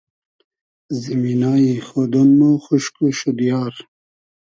زیمینای خۉدۉن مۉ خوشک و شودیار